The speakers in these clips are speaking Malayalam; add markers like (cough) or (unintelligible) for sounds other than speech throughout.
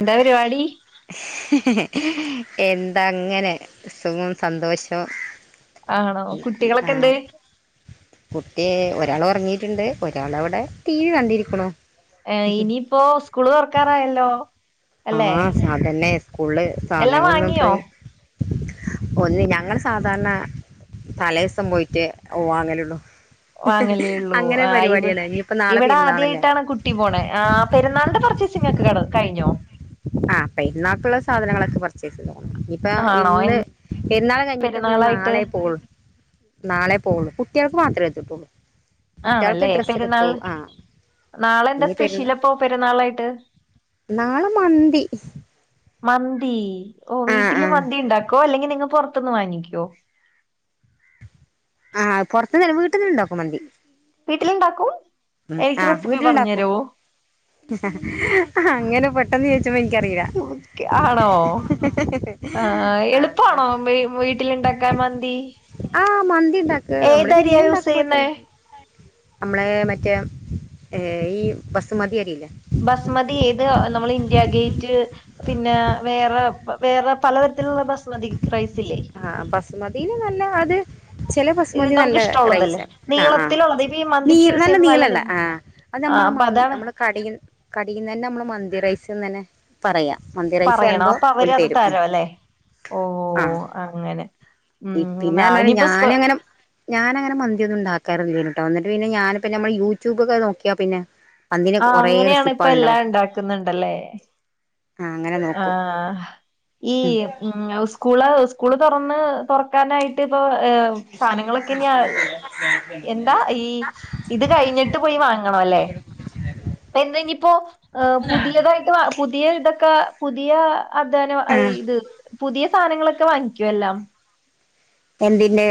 എന്താ പരിപാടി എന്താ അങ്ങനെ സുഖം സന്തോഷവും. ആണോ? ആ കുട്ടികളൊക്കെ എന്ത്? കുട്ടി വൽ ഒരാൾ ഉറങ്ങിയിട്ടുണ്ട് ഒരാള അവിടെ ടീവി കണ്ടിരിക്കണു. ഇനിയിപ്പോ സ്കൂള് തുറക്കാറായല്ലോ ആഹ് സാധനെ സ്കൂളില് എല്ലാം സാധനങ്ങളൊന്ന വാങ്ങിയോ? ഇപ്പയി ഒന്ന് ഞങ്ങൾ സാധാരണ തലേ ദിവസം പോയിട്ട് വാങ്ങലള്ളു വാങ്ങല്ലേയൊള്ളൂ ആ ഇവ് ഇനിയിപ്പോ നാളെ ഇവിടെ പെരുന്നാളല്ലേ ആദ്യായിട്ടാണ് കുട്ടി പോണേ ആ പെരുന്നാളിന്റെ പർച്ചേസിംങ്ങ് ഒ (unintelligible) കഴിഞ്ഞോ ആ പെരുന്നാക്കുള്ള സാധനങ്ങളൊക്കെ പർച്ചേസ് ചെയ്‌തു ഇപ്പ ആണോ? ഇന്ന് എന്താ പെരുന്നാൾ കഴിഞ്ഞിട്ട് ഇപ്പ ഇഞ്ഞ് പെരുന്നാളായിട്ട്? നാളെ പോവൊള്ളു നാളെ പോവൊള്ളൂ കുട്ടിയാൾക്ക് മാത്രേ ഇട്ത്ത്ട്ടൊള്ളൂ ആണല്ലേ പെരുന്നാൾ നാളെന്താ ഇനി സ്പെഷ്യൽ പെരുന്നാ അപ്പോ പെരുന്നാളായിട്ട് ഉഹ (inaudible) മന്തി ഓ വീട്ടിൽ മന്തി ഇണ്ടാക്കോ അല്ലെങ്കി നി (unintelligible) പൊർത്ത്ന്ന് വാങ്ങിക്കോ ആ പൊർത്ത്ന്ന് അല്ല വീട്ടിൽ ഇണ്ടാക്കും മന്തി ട്ട്ൽ ഇണ്ടാക്കും ഉം ആ വീട്ടിൽ ഇണ്ടാക്കും അങ്ങനെ പെട്ടെന്ന് ചോയിച്ചപ്പോ ഇൻക്ക് അറീലാ ആണോ? ആഹ് ആ അങ്ങ എളുപ്പാണോ വീ വീട്ടിലുണ്ടാക്കാൻ മന്തി? ആ മന്തി ഇണ്ടാക്ക മ്മൾ ഏതരിയാ ബിരിയാണി ഇണ്ടാക്കുമ്പോൽ യൂസെയ്യുന്നേ? തന്നെ അമ്മളെ മറ്റ മറ്റേ ഈ എ ബസ്മതി അരിയില്ലെ റ്റ് പിന്നെ വേറെ വേറെ പലതരത്തിലുള്ള ബസ്മതിക്ക് റൈസ് ആ ബസുമതിൽ നല്ല അത് ചെല ഇത് ബസുമന്തി നമുക്ക് നല്ല ഇഷ്ടമുള്ളതല്ലേ റൈസ് ആ ആ നീളത്തിലുള്ളത് ഇപ്പ ഈ നീ മന്തിക്ക് യൂസ് നല്ല ചെയ്യുന്ന നി നീളള്ള ആ അത് ആഹ് നമ്മളെ അപ്പൊ മൻ അതാണ് നമ്മളെ കടി കടന്നെന്നെ നമ്മൾ മന്തി റൈസ് ച്ചും ന്നെന്നെ പറയാ മന്തി റൈസ് പറയണം പറയുമ്പോ അപ്പൊ അവര് ഓല് അത് തരും അല്ലേ ഓ ആണ് പി പിന്നെ പർഞ്ഞാൽ സ്കൂ ഞാൻ അങ്ങനെ ഞാനങ്ങനെ മന്തിയൊന്നും ഇണ്ടാക്കാറില്ലെയ്നു ട്ടോ ഇന്നട്ട് പിന്നെ ഞാൻ ഇപ്പം നമ്മൾ യൂട്യൂബ് ഒക്കെ നോക്കിയാ പിന്നെ മന്തിന് ആ കൊറേ അങ്ങനെയാണ് ഇപ്പ എല്ലാം റെസിപ്പികളുണ്ടാവും ഇണ്ടാക്ക്ന്നുണ്ട് അല്ലേ ആ അങ്ങനെ ആ നോക്കും ഈ ഉം സ്കൂൾ സ് സ്കൂള് തൊറന്ന് തൊറക്കാനായി ട്ട് ഇപ്പോ ഹ് സാനങ്ങളൊക്കെ ഇനി അഹ് എന്താ ഈ ഇത് കഴിഞ്ഞിട്ട് പോയി വാങ്ങണം അല്ലെ ഇപ്പ ഇന്ന് ഇങ്ങ് ഇപ്പോ ഹ് പുതിയതായിട്ട് വാ പുതിയ ഇത് ഒ ക്ക പുതിയ അതെനെ വ ആ ഐയ് ഇത് പുതിയ സാനങ്ങളൊക്കെ വാങ്ങിക്കും എല്ലാം എന്തിന്റെ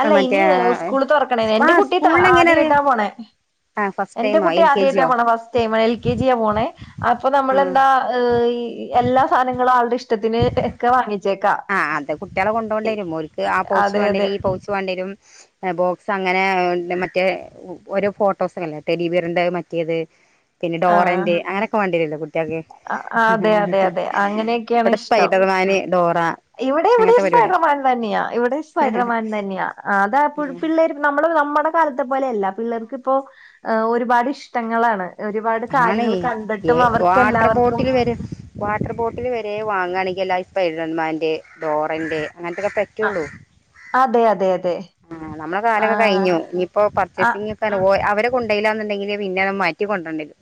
അല്ല മറ്റേ ഇനി ഉസ്കൂൾ തൊറക്ക്ണേനെ ആ എന്റെ കുട്ടിയൊക്കെ സ്കൂളിൽ എങ്ങനെ ആദ്യ അറിയാ ആയിട്ടാ പോണേ ആ ഫസ്റ്റ് എന്റെ ടൈമോ കുട്ടി എൽ കെ ആദ്യ ആയിട്ടാ ജിയോ പോണെ ഫസ്റ്റ് ടൈമ് എൽ കെ ജിയിലാ പോണേ അപ്പൊ നമ്മളെന്താ ആ ഹ് ഈ എല്ലാ സാധനങ്ങളും ആളുടെ ഇഷ്ടത്തിന് എക്കെ വാങ്ങി ആ അത് കുട്ട്യോളെ കൊണ്ടോണ്ട്യേരും ഓൽക്ക് ആ പൗച്ച് അതെ അതെ വാണ്ട്യരും ഈ പൗച്ച് വാണ്ട്യേരും ഏ ബോക്സ് അങ്ങനെ എന്തേ മറ്റ് മറ്റേ ഓരോ ഫോട്ടോസൊക്കല്ലേ ടെഡിബിയറിൻ്റെ മറ്റേത് പിന്നെ ആഹ് ഡോറന്റ് അങ്ങനൊക്കെ വാണിയേരൊല്ലോ കു ഇവിടെ അ- അതെ അതെ അതെ അങ്ങനെയൊക്കെയാണ് ഇഷ്ടം സ്പൈഡർമാന് ഡോറ ഇവിടെ അങ്ങനത്തെ ഇവിടെയും പരിപാടിയ സ്പൈഡർമാൻ തന്നെയാ ഇവിടെയും സ്പൈഡർമാൻ തന്നെയാ അതാ പിള്ളേർ നമ്മള് നമ്മുടെ കാലത്തെ പോലെയല്ല പിള്ളേർക്ക് ഇപ്പോ അ ഒരുപാട് ഇഷ്ടങ്ങളാണ് ഒരുപാട് കാര്യങ്ങൾ കണ്ടിട്ടും അവർ ട്ടർ ബോട്ടില് വരെ വാട്ടർ ബോട്ടില് വരെ വാങ്ങാണെയ് എലൈ സ്പൈഡർമാൻ്റെ ഡോറൻ്റെ അങ്ങനത്തൊക്കെ അ- പറ്റുള്ളൂ അതെ അതെ അതെ ആഹ് നമ്മളെ കാലൊക്കെ ആഹ് കഴിഞ്ഞു ഇഞ്ഞ്പ്പോ ആ പർച്ചേസിംഗ് ഒക്കെ റഞ്ഞ ഓ അവര് കൊണ്ടെയ്ലാന്ന്ണ്ടെങ്കില് പിന്നെ മാറ്റി കൊൻട്ര ണ്ടേരും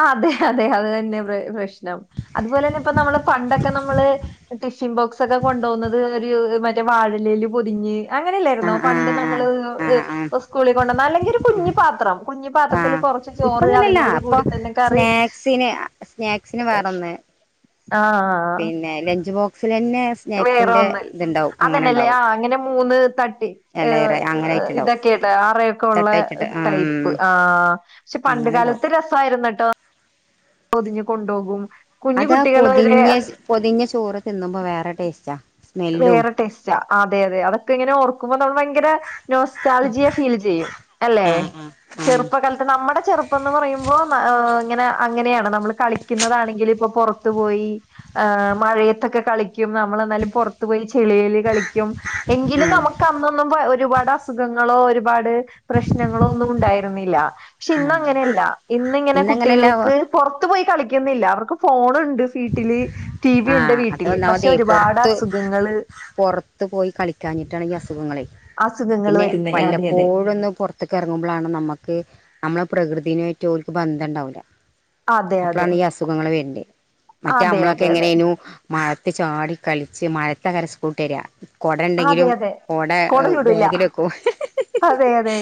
ആ അതെ അതെ അത് തന്നെ പ്രശ്നം അതുപോലെ തന്നെ ഇപ്പ നമ്മള് പണ്ടൊക്കെ നമ്മള് ടിഫിൻ ബോക്സൊക്കെ കൊണ്ടാവുന്നത് ഒരു മറ്റേ വാഴലയില് പൊതിഞ്ഞ് ആ അങ്ങനെല്ലായിരുന്നോ ആ പണ്ട് ആ നമ്മള് ആ ആ ഉസ്കൂളി കൊണ്ടാന്ന് അല്ലെങ്കി ഒര് കുഞ്ഞിപാത്രം കുഞ്ഞി ആ പാത്രത്തില് കൊറച്ച് ഇപ്പ ചോറ് അങ്ങനെയല്ല അതിനോട് ഇപ്പൊ കൂടി തന്നെ കറി സ്നാക്സിന് സ്നാക്സിന് വേറൊന്ന് ആഹ് പിന്നെ ലഞ്ച് ബോക് വേറെ ഒന്ന് അങ്ങനെ അതന്നെല്ലേ ഉണ്ടാവും ആ അങ്ങനെ മൂന്ന് തട്ടി ഏ എലയറ അങ്ങനെയായിട്ടുണ്ടാവും ഇതൊക്കെട്ടോ അറയൊക്കെ ഉള്ള തട്ടായിട്ടിട്ട് ഉം ടൈപ്പ് ആ പക്ഷെ പണ്ട് അങ്ങനെണ്ടാവും കാലത്ത് രസായിരുന്നെ ട്ടോ പൊതിഞ്ഞു കൊണ്ടോകും അതാ പൊതിഞ്ഞ് പൊതിഞ്ഞ ചോറ് തിന്നുമ്പോ വേറെ ടേസ്റ്റാ സ്മെല്ലും വേറെ ടെസ്റ്റാ അതെ അതെ അതൊക്കെ ഇങ്ങനെ ഓർക്കുമ്പോ നമ്മ ഭയങ്കര നോസ്റ്റാൽജിയ ഫീൽ ചെയ്യും അല്ലെ ആഹ് ആഹ് ആഹ് ചെറുപ്പകാലത്ത് നമ്മുടെ ചെറുപ്പംന്ന് പറയുമ്പോ ഓ ഇങ്ങനെ അങ്ങനെയാണ് നമ്മള് കളിക്കുന്നതാണെങ്കില് ഇപ്പൊ പൊറത്ത് പോയി മഴയെത്തൊക്കെ കളിക്കും നമ്മള് പൊറത്ത് പോയി ചെളിയൽ കളിക്കും എങ്കിലും ആഹ് നമുക്ക് അന്നൊന്നും വ ഒരുപാട് അസുഖ ങ്ങളോ ഒരുപാട് പ്രശ്നങ്ങള ഒന്നും ഉണ്ടായിരുന്നില്ല പക്ഷെ ഇന്ന ആഹ് അങ്ങനെയല്ല ഇന്ന് ഇങ്ങനെ ഇന്നങ്ങനെല്ല കുട്ടികൾക്ക് പൊറത്ത് പോയി കളിക്കുന്നില്ല അവർക്ക് ഫോണ് ണ്ട് ഫീട്ടില് ടി വി ഉണ്ട് ആഹ് അത് വീട്ടില് പക്ഷെ ഒന്നാമതേ ഒരുപാട് പൊറത്ത് അസ് പൊറത്ത് പോയി കളിക്കാഞ്ഞിട്ടാണ് ഈ അസുഖങ്ങളെ അസുഖങ്ങൾ പിന്നെ വരുന്നേ അതെ അതെ വല്ലപ്പോഴൊന്ന് പുറത്തക്ക് ഇറങ്ങുമ്പോഴാണ് നമ്മുക്ക് നമ്മളെ പ്ര- പ്രകൃതിനായിട്ട് ഒള്ക്ക് ബേധം ഉണ്ടാവില്ല അതെ അപ്പളാണ് അതെ ഈ അസുഖങ്ങള് വേരുന്നേ മറ്റേ അതെ നമ്മളൊക്കെ അതെ എങ്ങനെയനു മഴത്ത് ചാടി കളിച്ച് മഴതങ്ങരെ സ്കൂട്ട് രിക കുട അതെ അതെ ഉണ്ടെങ്കിലും അതെ കൊട വേഗില വക്കും അതെ അതെ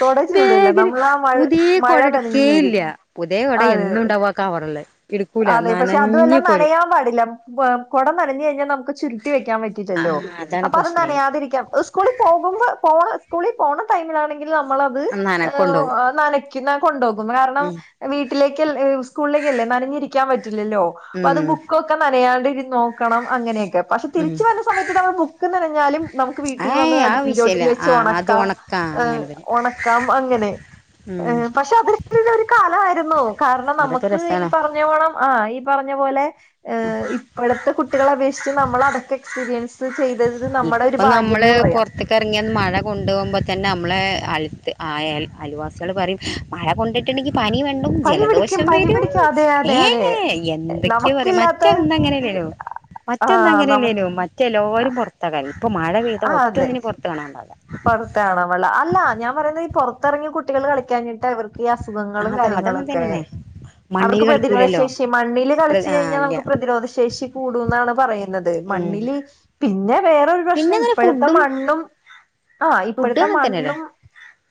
കൊട ചൂടില്ല വേഗിൽ നമ്മൾ ആ മഴ പുതിയ മഴ കൊട എടുക്കേ നനഞ്ഞു വരും ഇല്ല പുതിയ കൊട അതെ എന്നും ഉണ്ടാക്കുവാ കവറിലെ എടുക്കൂല അതെ പക്ഷെ അതുമല്ല നനഞ്ഞ് പോരും നനയാൻ പാടില്ല കുട നഞ്ഞു കഴിഞ്ഞാൽ നമുക്ക് ചുരുറ്റി വെക്കാൻ ആ പറ്റില്ലല്ലോ അതാണ് അപ്പൊ അത് പ്രശ്നേ നനയാതെ ഇരിക്കാം ഈസ്കൂളിൽ പോകുമ്പോ പോ സ്കളി പോണ ടൈമിൽ ആണെങ്കിൽ നമ്മളത് നനക്കൊണ്ടോവും ന്നനക്കിന്നാ ക്കൊണ്ടോകും കാരണം ഉം വീട്ടിലേ കല്ലേ ഏ സ്കൂളിലേ കല്ലേ ന്നനഞ്ഞിരി- കാന് പാറ്റ റ്റില്ലല്ലോ അത് ഉം ബുക്കൊക്കെ ന്നനയാണ്ട് നോക്കണം അങ്ങനെയൊക്കെ പക്ഷെ ഉം തിരിച്ചു വന്ന സമയത്ത് നമ്മ ബുക്ക് ന്നനഞ്ഞാലും നമുക്ക് വീട്ടിൽ വന്ന് ഏയ് ആ അടുപ്പിന് ചോട്ടിൽ വിഷയല്ല വെച്ച് ആ അത് ഉണക്കാം ഒണക്കാ അങ്ങനെ തന്നെ ഓണക്കാം അങ്ങനെ ഉം പക്ഷെ അത് (inaudible) വായിരുന്നു കാരണം അതൊക്കെ നമുക്ക് ഈ രസാണ് പറഞ്ഞോണം ആ ഈ പറ പറഞ്ഞ പോലെ ഏ ഇപ്പോഴത്തെ കുട്ടികളെ അപേക്ഷിച്ച് നമ്മൾ അതൊക്കെ പീരിയൻസ് ഇപ്പം നമ്മള് പോർത്ത്ക്ക് എറങ്ങിയ മഴ കൊണ്ടോകുമ്പോ തന്നെ നമ്മളെ അൽത്ത് അയൽ അയൽവാസിള് പറിം മഴ കൊണ്ട്ട്ട് ണ്ടെങ്കിൽ പനി വണ്ടും പനി പിടിക്കും ജലദോഷം പനി വരും പിടിക്കും അതെ അതെ ഏ അതെ എന്തൊക്കെയാ പറ നമുക്കില്ലാത്ത മറ്റന്തങ്ങനല്ലേലോ ആ മറ്റെന്നു ങ്ങനലലോ നമുക്ക് മറ്റെല്ലാരും പൊറ മഴ പെയ്ത ഒറ്റോന്നിനെ പുറത്ത് കാണാണ്ടാ പോറത്താണുമ്പള്ള അല്ല ഞാൻ പറയുന്നത് ഈ പുറ പുത്തറങ്ങി കുട്ടികൾ കളിക്കാഞ്ഞിട്ടാ ഇവർ ഈ അസുഖങ്ങളും അതാ അതങ്ങനെ കാര്യങ്ങളൊക്കെ തന്നെയാണ് മണ്ണിൽ അവർക്ക് പ്രതിരോധ കളിക്കൂലല്ലോ ശേഷി മണ്ണില് പ്ര- കളിച്ചു ആ കഴിഞ്ഞാൽ ഇല്ല നമുക്ക് പ്രതിരോധ ശേഷി കൂടും എന്നാണ് പറയുന്നത് ഉം മണ്ണില് പിന്നെ വേറൊരു പിന്നെ പ്രശ്നം അങ്ങനെ ഇപ്പോഴത്തെ ഫുഡും മണ്ണും ആ ഫുഡ് ഇപ്പോഴത്തെ അങ്ങനെ തന്നെയല്ലേ മണ്ണും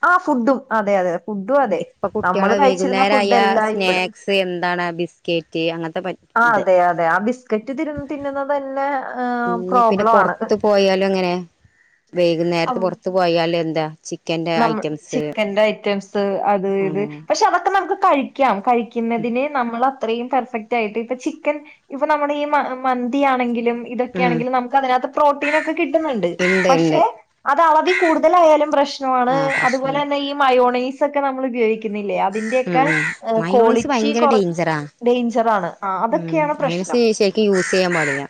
ആ ഫുഡും അതെ അതെ ഫുഡും അതെ ഇപ്പൊ നമ്മൾ കുട്ടികളെ കഴിച്ചിരുന്ന വൈകുന്നേരമായ ഫുഡല്ലാ ഇപ്പയ് സ്നാക്സ് എന്താണ് ബിസ്ക്കറ്റ് അങ്ങനത്തെ പ- ആ ഇത് അതെ അതെ ആ ബിസ്കറ്റ് തിരു തിന്നുന്നത് തന്നെ ഇനി പിന്നെ പ്രോബ്ലം ആണ് പുറത്ത് പോയാലും അങ്ങനെ വൈകുന്നേ അം, പുറത്ത് പോയാല് യ ചി നമ്മ ചിക്കന്റെ ഐറ്റംസ് അത് ഉം ഇത് പക്ഷെ അതൊക്കെ നമുക്ക് കഴിക്കാം കഴിക്കുന്നതിന് നമ്മളെ അത്രയും പെർഫെക്റ്റ് ആയിട്ട് ഇപ്പ ചിക്കൻ ഇപ്പൊ നമ്മുടെ ഈ മന്തി ആണെങ്കിലും ഉം ഇതൊക്കെയാണെങ്കിലും നമുക്ക് അതിനകത്ത് പ്രോട്ടീനൊക്കെ കിട്ടുന്നുണ്ട് ഇണ്ട് പക്ഷെ ഇണ്ട് അത് അളവി കൂടുതലായാലും പ്രശ് ആ പ്രശ്നണ്ട് അതുപോലെന്നെ ഈ മയോ ഒണൈസ് ഒക്കെ നമ്മള് ഉപയോഗി ഉ ഉ മയോനൈസ് ഭയങ്കര കുറ ഡേഞ്ചറാ ഡേഞ്ചറാണ് ആ ഉ അതൊക്കെയാണ് യൂസ് പ്രശ്നം ചെയ്യാൻ പാടില്ല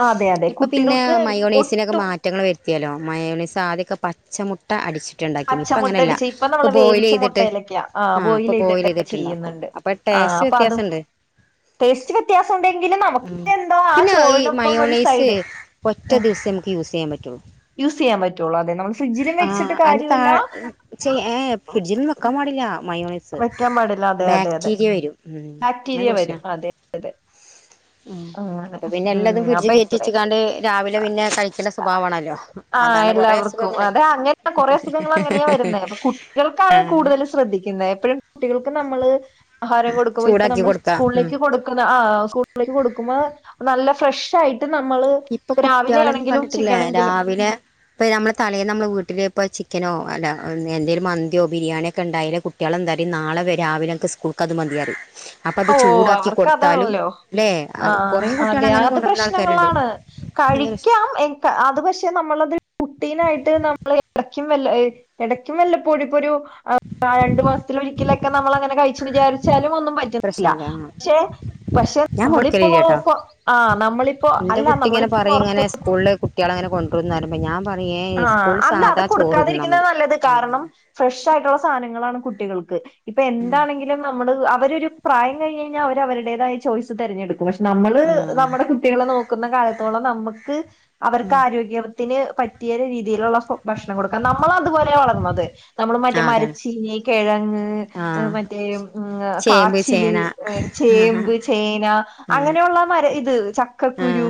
ആ, അതെ അതെ ഇപ്പൊ പിന്നെ കുട്ടികൾക്ക് മയോണസിനൊക്കെ ഒട്ടും മാറ്റങ്ങൾ വരുത്തിയല്ലോ മയോണീസ് ആദ്യ ക്ക പച്ചമുട്ട അടിച്ച് പച്ചമുട്ട അടിച്ച ഇപ്പൊ നമ്മളള് വേവിച്ച ചെയ്തിട്ട് മുട്ടലൊക്കാ ആ ഇപ്പൊ ബോയിൽ ബോയിലെയ്തിട്ട് ചെയ്തിട്ടുണ്ടാക്കും ചെയ്യ്ന്ന്‌ണ്ട് അപ്പൊ ആ ടേസ്റ്റ് അപ്പൊ അതും വ്യത്യാസണ്ട് ടേസ്റ്റ് വ്യത്യാസ ഉണ്ടെങ്കും ഉം നമുക്ക് എന്തോ ആ പിന്നെ ഈ ചോറിനൊപ്പം ഒരു സൈഡ് ചെയ്യാൻപറ്റോ യൂസ് ചെയ്യാൻ പറ്റുള്ളൂ അതെ നമ്മൾ ഫ്രിഡ്ജിലും ആ വെച്ചിട്ട് അതിന്റെ കാര്യമില്ല താഴെ ഏ ഫ്രിഡ്ജിൽന്നും വെക്കാൻ പാടില്ല മയോണിസ് വെക്കാൻ പാടില്ല അതെ അതെ അതെ ബാക്ടീരിയ വരും ഉ അങ്ങെ ബാക്ടീരിയ വരും പ്രശ്നംശ അതെ ഉ അങ്ങനെ അപ്പൊ പിന്നെ ഉം എല്ലാതും ഫ്രിഡ്ജ് അപ്പൊ കയറ്റി വെച്ചക്കാണ്ട് രാവിലെ പിന്നെ കഴിക്കണ്ട സ്വഭാവമാണല്ലോ ആ അതാണ് കൊറെേ എല്ലാവർക്കും അസുഖങ്ങള് അതെ അങ്ങനെ കുറെ അസുഖങ്ങൾ അങ്ങനെയാ വരുന്നത് അപ്പൊ കുട്ടികൾക്കാണ് ആ കൂടുതൽ ശ്രദ്ധിക്കുന്നത് എപ്പോഴും കുട്ടികൾക്ക് നമ്മള് ആഹാരം കൊടുക്കുമ്പോ ഇപ്പൊ ചൂടാക്കി നമ്മൾ കൊടുക്കാ ഉം സ്കൂളിലേക്ക് കൊടുക്കുന്ന ആ സ്കൂളിലേക്ക് കൊടുക്കുമ്പോ നല്ല ഫ്രഷ് ആയിട്ട് നമ്മള് ഇപ്പൊ രാവിലെ കുട്ടികളൊന്നും ആണെങ്കിലും കണ്ടിട്ടില്ലേ ഉച്ചയ്ക്കാണെങ്കിലും രാവിലെ ഇപ്പ നമ്മള് തലെ നമ്മെ വീട്ടില് ഇപ്പോൾ ചിക്കനോ അല്ല എന്തെങ്കലും മന്തിയോ ബിരിയാണിയൊക്കെ ഉണ്ടായാലൽ കുട്ടികളെന്താ പറും നാളെ രാവിലെ എനിക്ക് സ്കൂൾക്ക് അത് മതി പറിമം അപ്പൊ അത് ഓ ചൂടാക്കി അവർക്ക് കൊടുത്താലും അതാണല്ലോ അല്ലെ കുറെേ കുട്ടികൾ അങ്ങനെ കൊണ്ടുവരണ്ട ആൾക്കാരുണ്ട് കഴിക്ക അത് പക്ഷെ നമ്മളത് പ്രോട്ടീനായിട്ട് നമ്മ ക്കും വല്ലപ്പോഴും ഇടക്കും വല്ലപ്പോഴു ഒരു (unintelligible) ആ രണ്ടു മാസത്തിൽ ഒരിക്കല ക്കെ നമ്മളങ്ങനെ കഴിച്ചു വിചരിച്ചാലും ഒന്നും ല്ല പ്രശ്നല്ല ആ പക്ഷെ പക്ഷെ ഞാൻ നമ്മളിപ്പോ കൊടുക്കലില്ലട്ടോ ഇപ്പ ആ നമ്മളിപ്പോ അല്ല നമ്മളിപ്പോ പുറത്ത് കുട്ടിള് അങ്ങനെ കൊണ്ടരുംന്ന് പറയുഞാൻപറ ആഹ അല്ല അത് കൊടുക്കാതിരിക്കുന്നത് മതി നല്ലത് കാരണം ഉം ഫ്രഷ ആയിട്ടുള്ള സാധങ്ങളാണ് കുട്ടികൾക്ക് ഇപ്പൊ എന്താണെങ്കിലും നമ്മടത് അവരൊരു പ്രായം കഴിഞ് കഴിഞ്ഞാൽ അവരുടേതായ ചോയ്സ് തെരഞ്ഞെടുക്കും പക്ഷെ നമ്മള് ആ നമ്മുടെ കുട്ടികളെ നോക്ക കുന്ന കാലത്തോളം നമുക്ക് അവർക്ക് ആരോഗ്യ ത്തിന് പറ്റ ഈയൊരു രീതിയിലുള്ള ഭക്ഷണം കൊടുക്കാ നമ്മൾ അതുപോലെ വളർന്നത് നമ്മൾ മറ്റേ ആ അതാണ് മരച്ചീനി കിഴങ്ങ് ആ മറ്റേ ഉം ചേമ്പ് കാച്ചില് ചേന ചേമ്പ് ചേന അങ്ങനെ അങ്ങനെയുള്ള മര ഇത് ആ ചക്കക്കുരു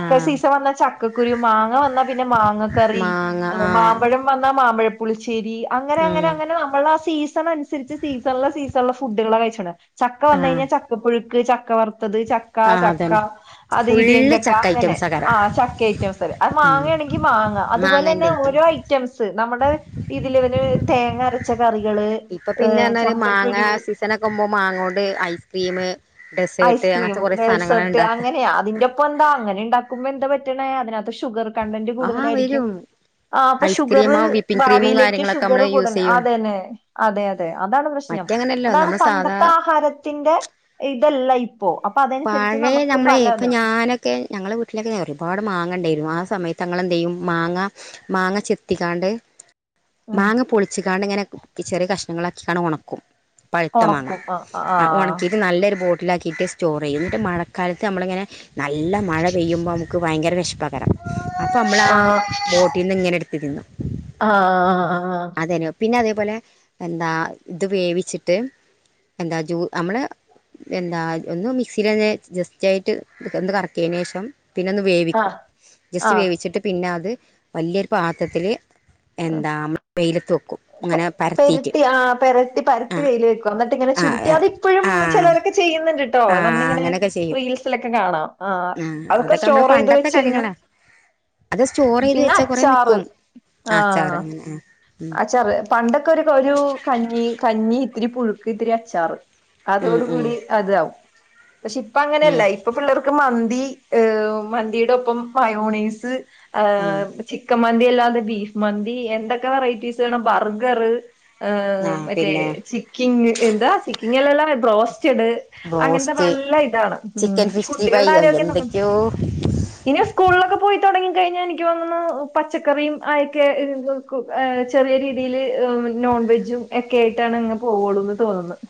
ആ സീസൺ വന്നാ ചക്കക്കുരു മാങ്ങ വന്നാൽ പിന്നെ മാങ്ങക്കറി മാങ്ങ ആ മാമ്പഴം വന്നാ മാമ്പഴ പുളിശ്ശേരി ശരി അങ്ങനെ അങ്ങനെ ഉം അങ്ങനെ നമ്മള സീസൺ അനുസരിച്ച് സീസണില സീസണില ഫുഡുകളാ കഴിച്ചോണ ചക്ക ആ വന്ന് കഴിഞ്ഞാൽ ചക്കപ്പുഴുക്ക് ചക്കവർ ചക്ക ആ ചക്ക അതന്നെ അത് ഫുള്ള് ഇടിയൻചക്ക ചക്ക അങ്ങനെ ഐറ്റംസാകാരം ആ ചക്ക ഐറ്റംസ് അത് ഉം മാങ്ങയാണെങ്കി മാങ്ങ അത്പോലെ തന്നെ ഓരോ ഐറ്റംസ് നമ്മ ഇതിൽ തേങ്ങ അരച്ച കറികള് ഇപ്പൊ പിന്നെ എന്നാല് മാങ്ങ ചക്കക്കുരു സീസണ ഒക്കെയാമ്പോ മാങ്ങ കൊണ്ട് ഐസ്ക്രീം ഡെസേർട്ട് ഐസ്ക്രീം അങ്ങനത്തെ കുറേ സാധനങ്ങളാണ് ഡെസേർട്ട് ഉണ്ടാക്കുക അങ്ങനെയാ അതിന്റെപ്പൊ എന്താ അങ്ങനെ ഉണ്ടാക്കുമ്പോ എന്താ പറ്റ അതിനകത്ത് ഷുഗർ കണ്ടൻറ് ആഹ് കൂടുതലായിരിക്കും വരും ആ അപ്പ ഷുഗറ് ഐസ്ക്രീമോ വിപ്പിംഗ് ക്രീമും ഭാവിയിലേക്ക് കാര്യങ്ങളൊക്കെ നമ്മള് ഷുഗറ് യൂസ് ചെയ്യും കൂടുതലായിരിക്കും അതന്നെ അതാണ് പ്രശ്നം മറ്റങ്ങനെയല്ലോ അതാണ് നമ്മൾ സാധാ പണ്ടത്തെ ആഹാരത്തിന്റെ ല്ലൈ പഴയ നമ്മളെ ഇപ്പൊ ഞാനൊക്കെ ഞങ്ങളെ വീട്ടിലൊക്കെ ഒരുപാട് മാങ്ങേണ്ടായിരുന്നു സമയത്ത്ങ്ങളെന്ത് ചെയ്യും മാങ്ങ മാങ്ങ ചെത്തിക്കാണ്ട് ഉം മാങ്ങ പൊളിച്ച് കാണ്ട ഇങ്ങനെ ചെറിയ കഷ്ണങ്ങളാക്കിക്കാണ് ഉണക്കും പഴുത്ത മാങ്ങ ഉണക്കും ആ ആ ഉണക്കിയിട്ട് നല്ലൊരു ബോട്ട ലാക്കിട്ടസ് ചോറ് എന്നിട്ട് മഴക്കാലത്ത് നമ്മളങ്ങനെ നല്ല മഴ പെയ്യുമ്പോൾ നമുക്ക് ഭയങ്കര പഷ്പത്ത് അപ്പൊ നമ്മൾ ആ ബോട്ടിൽന്ന് ഇങ്ങനെ എടുത്ത്തിന്നു ആ ആ അത പിന്നെ അത അതുപോലെ എന്താ ഇത് വേവിച്ചിട്ട് എന്താ ജൂ നമ്മള് എന്താ ഒന്ന് മിക്സിൽ തന്നെ ജസ്റ്റ് ആയിട്ട് ഒന്ന് കറക്കിയതിന് ശേഷം പിന്നെ ഒന്ന് ആ വേവിക്കും ആ ജസ്റ്റ് വേവിച്ചിട്ട് പിന്നെ അത് വലിയൊരു പാത്രത്തില് ആ എന്താ മ്മ വെയില ത്ത്ക്കും പെരട്ടി ആ പെരട്ടി ആ പരത്തി വെൽ വെക്കും എന്നിട്ട് ഇങ്ങനെ ആ ചുരുട്ടി അതിപ്പോഴും ആ ചിലരൊക്കെ ചെയ്യും കേട്ടോ ആ നമ്മളി ഇങ്ങനെ അങ്ങനെയൊക്കെ ചെയ്യും റീൽസിലൊക്കെ കാണാം ആ അതൊക്കെ നമ്മൾ സ്റ്റോർ ചെയ്ത് പണ്ടത്തെ വെച്ച കഴിഞ്ഞാ കാര്യങ്ങളാ അത് സ്റ്റോർ ചെയ്ത് പിന്നെ വെച്ചാൽ കുറേ അച്ചാറ് നിൽക്കും അച്ചാർ ആഹ അങ്ങനെ ആ ഉം അ ചാറ്പണ്ടൊക്കെ ഒരു ഒരു കഞ്ഞി കഞ്ഞി ഇനി പുഴുക്ക് ഇത്തിരി അച്ചാറ് ഉം അതോട ഉം കൂടി അതാവും പക്ഷെ ഇപ്പ അങ്ങനെയല്ല ഉം ഇപ്പ പിള്ളർക്ക് മന്തി ഹ മന്തിയുടെ ഒപ്പം വയോണീസ് ആ് ഉം ചിക്ക മ മന്തി അല്ലാതെ ബീഫ് മന്തി എന്തൊക്കെ വെറൈറ്റീസ് (unintelligible) ബർഗർ ഹ് ആ മറ്റേ പിന്നെ ചിക്കിങ് എന്താ ഇങ്ങനെള്ള ബ്രോസ് ഡ് അങ്ങനത്തെ ബ്രോസ്റ്റ് നല്ല ഇതാണ് ചിക്കൻ പക്ഷേ സിക്സ്റ്റി കുട്ടികളുടെ ഫൈവ് ആരോഗ്യം നമ് എന്തൊക്കെയോ ഇനി സ്കൂളിലൊ പോയി തുടങ്ങി കഴിഞ്ഞഎനിക്ക് തോന്നണു പച്ചക്കറും ആയൊക്കെ ചെറിയ രീതിൽ നോൺ വെജും ഒക്കെ ആയിട്ടാണ് അങ്ങ് പോവുള്ളൂന്ന് തോന്നുന്നത്